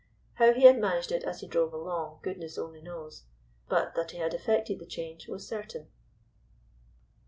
How he had managed it as he drove along goodness only knows, but that he had effected the change was certain.